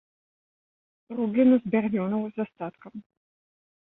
Рублена з бярвёнаў з астаткам.